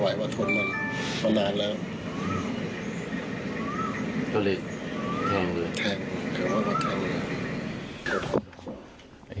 เหตุการณ์ทั้งหมดมันก็จากคำบอกเล่าของหลวงตับพวงที่เป็นผู้ต้องหาในขณะนี้เนี่ยเนี่ย